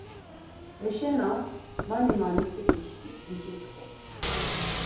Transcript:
Heşena mani mani si giç̌itxu.